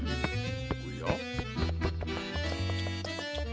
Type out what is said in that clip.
おや？